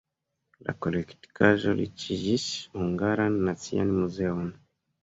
La kolektaĵo riĉigis Hungaran Nacian Muzeon.